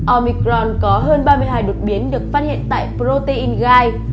omicron có hơn ba mươi hai đột biến được phát hiện tại protein gai